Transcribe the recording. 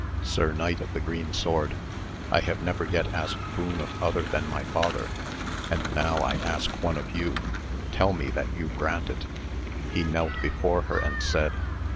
Sir Knight of the Green Sword, I have never yet asked boon of other than my father, and now I ask one of you, tell me that you grant it ! He knelt before her and said.